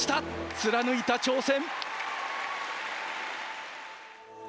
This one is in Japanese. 貫いた挑戦。